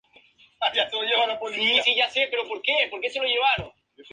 Había dos africanos en contacto.